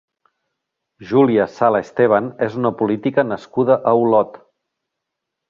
Júlia Sala Esteban és una política nascuda a Olot.